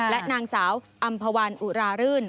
และนางสาวอำภาวันอุรารื่น